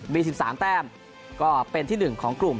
มีสิบสามแต้มก็เป็นที่หนึ่งของกลุ่ม